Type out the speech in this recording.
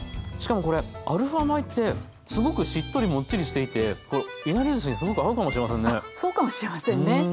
しかもこれアルファ米ってすごくしっとりもっちりしていていなりずしにすごく合うかもしれませんね。